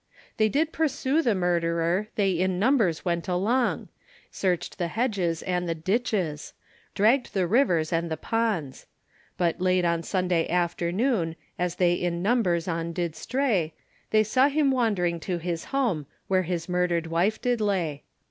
They did pursue the murderer, They in numbers went along, Searched the hedges and the ditches, Dragged the rivers and the ponds; But late on Sunday afternoon, As they in numbers on did stray, They saw him wandering to his home, Where his murdered wife did lay.